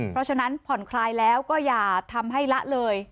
เพราะฉะนั้นผ่อนคลายแล้วก็อย่าทำให้ละเลย